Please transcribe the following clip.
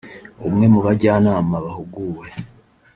umwe mu bajyanama bahuguwe